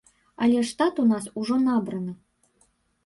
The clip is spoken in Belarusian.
Але штат у нас ужо набраны.